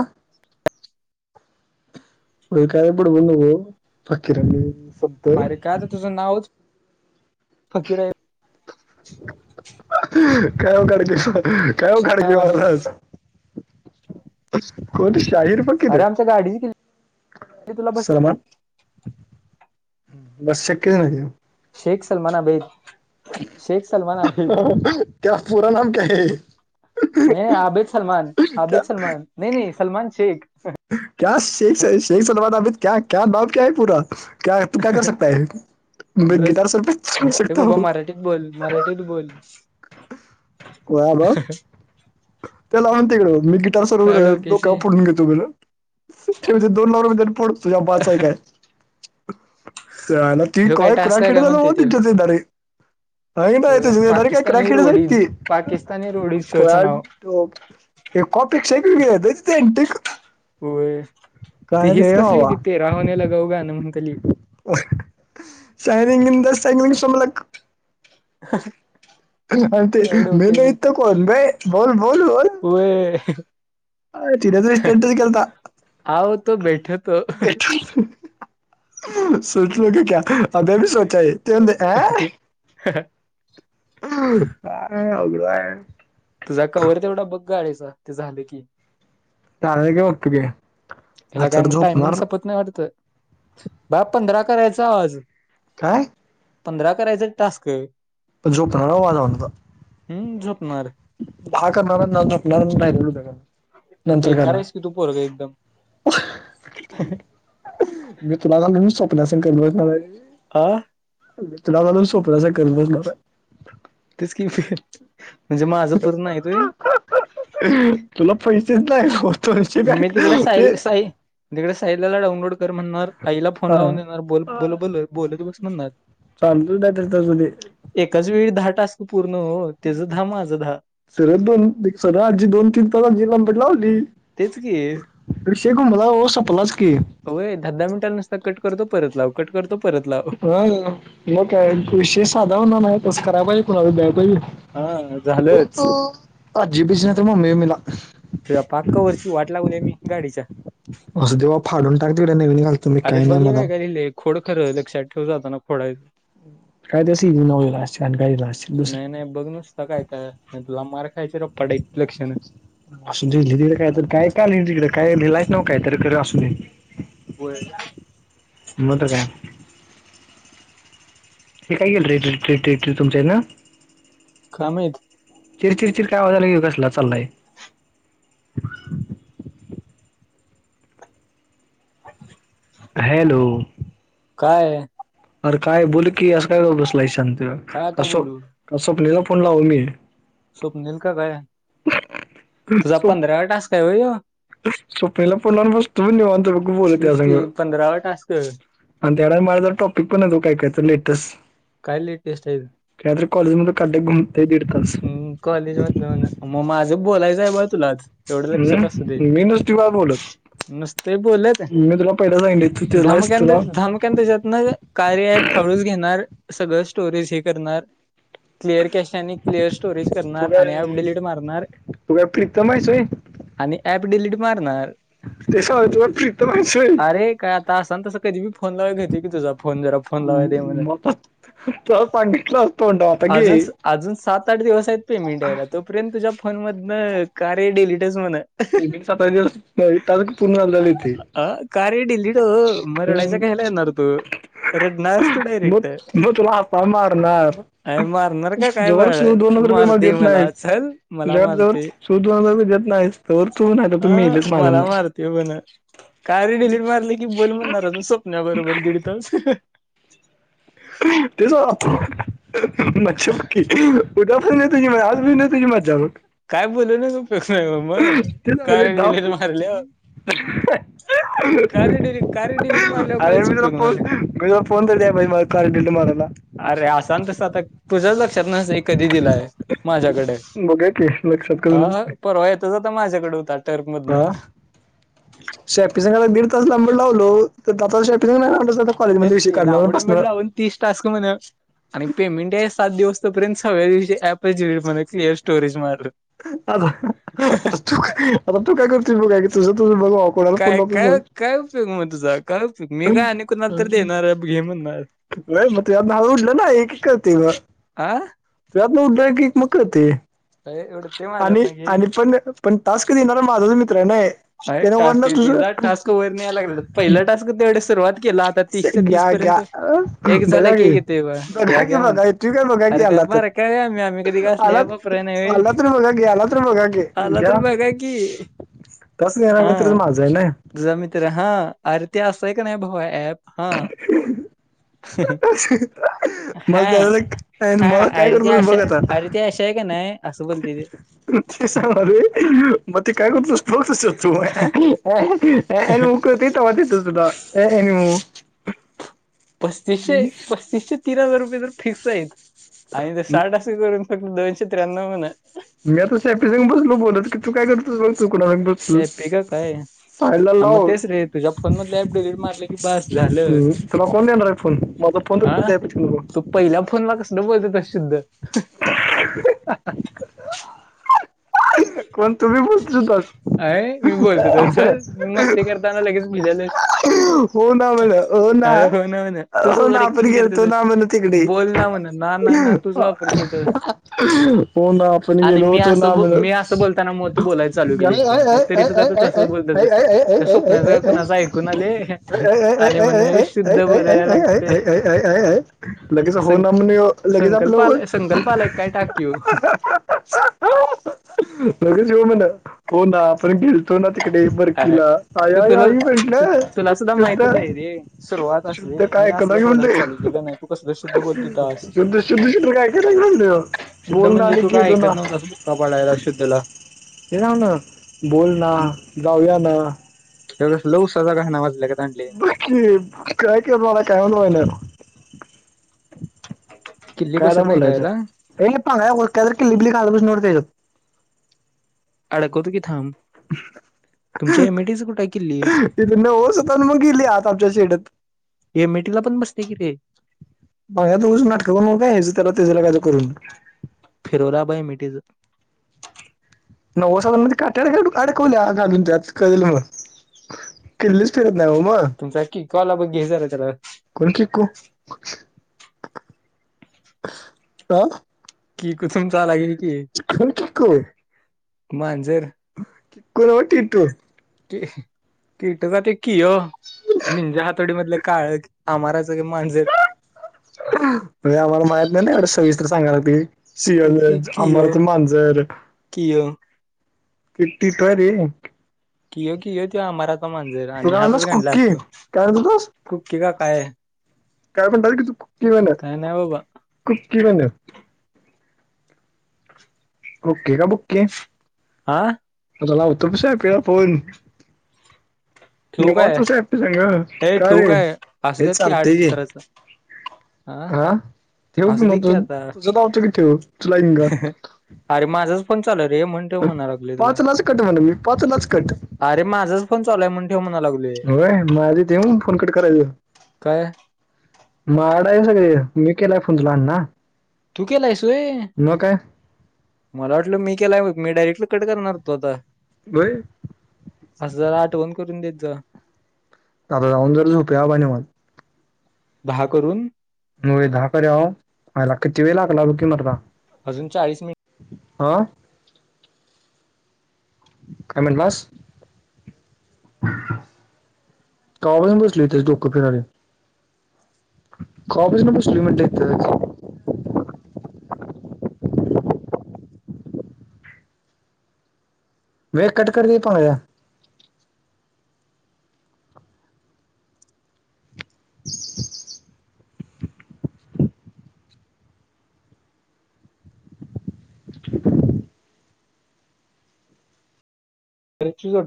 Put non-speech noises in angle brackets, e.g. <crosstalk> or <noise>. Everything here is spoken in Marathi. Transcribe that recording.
हा हो काय पड बोण पाकीिर सत. नाव फकीर आहे. काय काडके काय, खडके नाव आहे महाराज. कोत शाहिर फ अरे किर आमच्या गाडीची किल्ली तुला बस सलमान. बस एके दिन आहेऊ. शेख सलमाना बेत. क पूरा, नम का आहे. नाही आबिद सलमान, आबिद सलमान, नाही नाही सलमान शेख. क शेख शेख सलम, अबिद क्या भाब क्या आहे पूरा. क तू काय कर सकताय. म बस गिटार सर, पे चन हे सकता बाबा ह. मराठीत बोल मराठीत बोल कय ब ते लावून तिकडे मी गिटार, सर्व काय डोक्या डोक्याशी फ पुडून घेतो बेलं. दोन लाव प तुझ्याबाचा आहे का आहे. ती ह्यो काय कय क्रय टास्क आहे काय खेडेतला म्हणते त्यो होतच जते तारी. नाही, नाही तुझ डर काय पाकिस्तानी कराखेडच आहेत,, रोडीज पाकिस्तानी त रोडीज शोचं नाव खऽ हे कॉपी शेक गे तथ टिकक. होय ते हीच कसली हवा होती, ते राहण्याला गाऊ गा ना म्हणताली. सैलंग द सगंग समलाक. ह ते मी नाही, इत कोण बा बोल बोल बोल. वय अ चिच्टटच केता आओ तो बैठतो भट. सोचलो क क अभे भी सोचा आह, त ह काय अवगड आहे? तुझा कवर तेवढा बग, गाडिचा, ते झालं कीऽ जाला की ओक्के. हला काय म्हण टायमिंग सपत नाही वाटत,, बाळ पंधरा करायचा आज. काय? पंधरा करायचं टास्क. जोपनार बाबा जाऊन आता. हम्म, झोपणार? हा करनार आणि रायलेल उद्या करनार. बेकार आहेस की तू पोरग एकदम. मी तुला घाल स्वप्नासंग करलोणारऽ आं मि तुला झाल की स्वप्सा संग करत बसणारय. तेच कि, म्हणजे माझं पूर्ण आहेत वय. तुला पैसेच नाही ऽ मी तिकडे साईल, साईऽ तिकडे साईला डाऊनलोड कर म्हणणार, आईला फोन हा लावून देणार, बोल, बोल बोल, बोलत बस म्हणणार. चालतो नाही तर तसं ते एकाच वेळी दहा टस्क पूर्ण हो, तेच दहा, माझं दहा. सरळ दोन, सरळ दोन तीन तास आजि लांबड लावली. तेच की. रिषे घुमला ओ सपलाच की. होय, दहा, दहा मिनटला नुसता कट करतो, परत लावतो. कट करतो परत लाव. हा, म काय विशेय साधा होणार नाही तस कराय पाहिजे कुणाला द्याय पाहिजे. हा झालंच. हो आजी बिज्जी नायतर ममी बिमिला. तुझ्या पाक कवरची वाट लावल्या मी गाडीच्या. असू दे बा फाडून टाक तिकडं नवीन घाल. अरे बघ <unintelligible> खोड खरं लक्षात ठेव जाताना खोडाय. काय <unintelligible> दुसरं. नाही नाही बघ नुस काय काय हाय तुला मार खायच रपाटे लक्षण. असू दे ली तिकड कायतर काय कायका तिकडे काय लिहिलायस नव काय तर असूदे. बोल. म तर काय? हे काय गेलं रे <unintelligible> तुमच्या इतनं. काय माहीत? चिर चिर चिर काय आवाज आला कसला चाललाय. हॅलो. काय? अर काय बोल की? असं काय गप बसलायस शांत. काय आता बोलू? का स्वप्ने ला फोन लावू मी. स्वप्नील का काय? तुझा पंधरावा टास्क हाय वय यो. स्वप्न्याला फोन लाउन बसतो निेवांत बघ बोलत त्या तेच संग. की पंधरावा टास्क. आणि त्याकड माझ टॉपिक पण हाय तो काय कायचं लेटेस्ट. काय लेटेस्टय? काहीतरी कॉलेज मध्ये काढलं घुमतेय दीड तास. कॉलेजमधलं मन माझं बोलायचं आहे बाळ तुलाच. एवढं लक्षात असुदे. हम्म? मी नसती बा बोलत नुसतं बोलत, मी तुला पहिला सांगितले तू त्यालाच झामकण तुला धाम त्याच्यात न कार्य ॲप हळूच घेणार सगळं स्टोरेज हे करणार. क्लिअर कॅशे आणि क्लिअर स्टोरेज तू करणार आणि ॲप काय डिलीट मारणार. तू काय प्रीतम आहेस होय आणि ॲप डिलीट मारणार. ते <unintelligible> प्रीतम हायस वय. अरे का आसान तस कधी फोन लावय घेतो की तुझा फोन जरा फोन लावाय दे म्हणून. मला तुला सांगितलं असतो तोंडाव आता गे. अजून अजून सात आठ दिवस आहेत पेमेंट यायला तोपर्यंत तुझ्या फोन मधन कार्य डिलीटच म्हण. <unintelligible> सतरा दिवस <unintelligible> पूर्ण झा झाथे. अ कार्य डिलीट ओ म रडायच घ्यायला हम्म येणार तू. रेडनास तू मग डायरेक्ट, मग तुला हाता मारणार आय मारणार का काय म. जवळ तू दोन हजार रुपये मारतय देत मला नाहीस चल मला तुझ्याकडे जवळ मारतय. तू दोन हजार रुपये देत नाहीस तर तू नाही तर तू हा मेलेस मला माझ्यांना मारतोय मन कार्य डिलीट मार. की बोल म्हणणारा स्वप्न्या बरोबर दीड तास. तेच <unintelligible> मच्छी बाकी. उुठा येत म आजनेत मा जागण. काय बोलूनच उपयोग नाही मग, ते कार्य डिलीट मारल्यावर. कार्य डिलीट कार्य डिलीट मारल्यावर अरे काहीच मी तुला उपयोग होणार फोन नाही. मी फोन <unintelligible> मला कार्य डिलीट मारायला. अरे असां तस आता तुझ्याच लक्षात नस कधी दिलाय माझ्याकड बघा की लक्षात अ परवा येतच आता माझ्याकडे होता. टर्म का? मधनं शेपीसंगाला दीड तास लांबर लावलो तर दच <unintelligible> शेपींग नाहीता कॉलेजमध्ये तेच विषय की काढणार आणि लांबडे मध बसणार. लावून तीस टास्क म्हण. आणि पेमेंट आहे सात दिवस तो पर्यंत सगळ्या दिवशी <unintelligible> ॲप क्लिअर स्टोरेज मारलं. आता. आता तू आता तू काय करत बघाय क तुझं तुझं बघ <unintelligible> कोणाला फोन काय नको काय करू. काय उपयोग मग तुझा काय उपयोग मी का आणि कुणाला तर देणार घे म्हणणार नाही म तुझ्याच नावे उठलं नाही एकेक करते मग. आ. त्यात उदग एक मक ते अय उडते माझ्यात न घे. पण पण टास्क देणारा माझाच मित्र नय. हाय टास्क ति <unintelligible> टास्क वर न्यायला लागला पहिला टास्क तेवढे सुरुवात केला आता से- तीसच्या तीस घ्या घ्या पर्यंत अं? एक झाल बघा की एक येतोव घ्या बघा की घ्या म्हणा बघा तू काय बघा की अरे आला गप तर मारे. काय आम्ही आम्ही कधी आला घासल्या बकऱ्या नाही आला व्हय तर बघा की आला तर बघा की आला तर बघा की. कसला हा मित्र माझा ना. तुझा मित्र हा अरे ते असाय का नाही भाऊ ॲप हा. मला हा त्या मला काय करत बघ आता. त्या अशा हाय का नाही. असं बोलते ते <unintelligible> मग ते काय करतोस. <unintelligible> तेव्हा दिसेल तुला. <unintelligible> पस्तीसशे पस्तीसशे तीन हजार रुपये तर फिक्स आहेत आणि जर साठ करून फक्त दोनशे त्र्यान्नव म्हणा. मी आता सेपी सिंग बसलो बोलत की तू काय. <unintelligible> सेफिक काय आहे. चाल्या लाव डिलीट मारले की बास झालं तुला कोण देणार आहे फोन माझ फोन. <unintelligible> तु पहिल्या फोनला कसलं बोलतो त शुद्ध. कोण तु भी बोलतोस <unintelligible> अय मी बोलतो त सर मी मस्ती करताना लगेच भिलेले. हो ना म्हण हो ना अरे हो ना हो ना तू ना ओवर आपण ऍक्टिंग करते गेलतो तस ना म्हण तिकडे बोल ना म्हणा. ना ना ना तुझ त हो ना आपण आणि गेलो मी होतो अस ना ब मी म्हणत असं बोलताना म त बोलायच चालू काय केलीस बा आहे नाही आहे तरी आहे सुद्धा आहे तस बोलतात आहे आहे आहे त्या स्वप्नाचं का कुणाचं ऐकून आले. आय आय आय आणि म्हण आय हे आय आय शुद्ध आय बोलायला आय आय लागतंय आय आय आय आय आय आय आय लगेच हो ना म्हणे लगेच आपलं ओल संकल्पा आलाय काय टाकी यु. <unintelligible> लगेच ये म्हणाव. हो ना आपण गेलतो ना तिकडे अ बरकीला आय ते आय तुला आई ते म्हणलं तुला सुद्धा शुद्धा माहितच आहे रे सुरुवात असली शुद्ध काय मी कलं असलं घे बोलायला म्हणते चालू केलं नाही तू कसलं शुद्ध बोलत होतास शुद्ध शुद्ध शुद्ध काय क <unintelligible> शुद्ध बोल ना म्हणजे आणि तू काय गेलो ना. ऐकत नव्हतास बुक्का पाडायला शुद्धला हे नाव ना बोल ना जाऊया ना. एवढ लूसा जागा आहे ना वाजल्या का तांडली. <unintelligible> किल्ली कायदा बसत नाही का बोलायचं. याला <unintelligible> अडकवतो की थांब तुमच्या एम ई डी च कुठ ये किल्ली. ति होसता मग गेली आत आमच्या शेडेत. एम ये टी ला पण बसते कि रे. भया दोघजण नाटक करू नको काय ह्याजं त्याला त्याच्याला कां करून. फिरोलाबाई मिटीचं. नव्व साधार म काट्याड अडकवल्या घालून त्यात कळल मग. किल्लीच फिरत नाही ओ मग. तुमचा की कॉल बघ घेय झाला त्याला. कोण किकू? आ की कुसुम चालागेल की, कोण मांजर. टिकूरवर टिटूर <unintelligible> की कीटक तो किओ निजा हातोडी मधलं काळ आमाराचं ग मांजर. म्ह आम्हाला माहीत नाही ना एवढं सविस्तर सांगायला लागतंय. सएल तेच की कियो अमृत मांजर. कियो किती तर रे. किय किय तो आम्हारा का मांजर. आणि काय असंच म्हणलास गंडल कुक्की असतो काय म्हणत होतास कुक्की का काय? काय म्हणतात कि कुकी म्हण काय नाही बाबा कुकी म्हण ओके का बुके? आ. आत्ता लावतो बग <unintelligible> फोन ठेवू काय निवांत च हाईस न्हव, हे का ठेवू रे, काय असू ये देत आठ चालतंय की. सतराच हा ठेवू असू की दे मग तुझ आता तुझं लावतो की ठेव तू लाईन का. अरे माझंच फोन चालू हाय रे म्हण ठेव म्हणालोय तुला पाच लाच कट म्हणा मी पाच लाच कट अरे माझ फोन चाल होय म आधी देऊ फोन कट करायच. काय माडा आहे सगळे मी केलाय फोन त अण्णा. तू केलायस होय! मग काय. मला वाटलं मी केलाय बग मी डायरेक्टली कट करणार होतो आता. <unintelligible> असं जरा आठवण करून देत जा. आता जाऊन जर झोप्या बग निवांत. दहा करून. होय दहा कराव, आईला किती वेळ लागल बग की मर्दा. अजून चाळीस मिनट आ. काय मनलास? कवा पासून बसलोय त्याज डोकं फिरलंय. कवा पासून बसलोय म्हणलं इथंच. वेळ कट कर रे पव्या ह <unintelligible> <inaudible> रड <unintelligible>